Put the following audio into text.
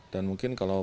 dan mungkin kalau